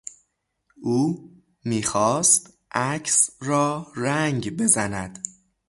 او میخواست عکس را رنگ بزند.